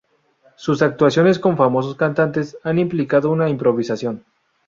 Sus actuaciones con famosos cantantes, han implicado una improvisación.